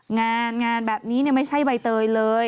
งานงานแบบนี้ไม่ใช่ใบเตยเลย